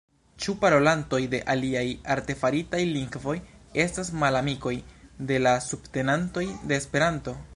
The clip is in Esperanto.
Ĉu parolantoj de aliaj artefaritaj lingvoj estas malamikoj de la subtenantoj de Esperanto?